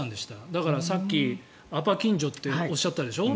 だから、さっきアパ勤女とおっしゃったでしょ。